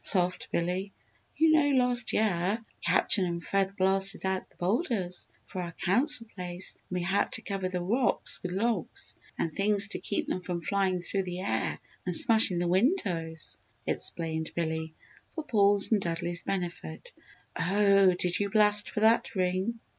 laughed Billy. "You know last year, Captain and Fred blasted out the boulders for our Council Place and we had to cover the rocks with logs and things to keep them from flying through the air and smashing the windows," explained Billy, for Paul's and Dudley's benefit. "Oh, did you blast for that Ring?"